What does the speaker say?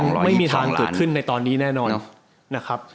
ไม่มีทางเกิดขึ้นในตอนนี้แน่นอนนะครับ